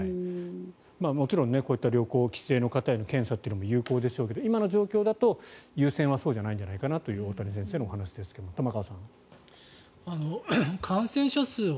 もちろん、こういった旅行、帰省の方への検査というのも有効でしょうけども今の状況だと優先はそうじゃないのかなという大谷先生のお話ですが玉川さん。